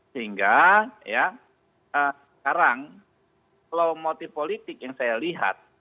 sehingga ya sekarang kalau motif politik yang saya lihat